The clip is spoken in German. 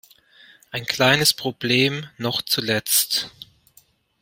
Ein kleines Problem noch zuletzt.